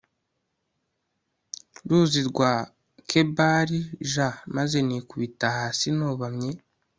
ruzi rwa Kebari j maze nikubita hasi nubamye